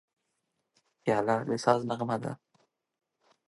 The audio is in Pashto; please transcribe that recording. پیاله د ساز نغمه ده.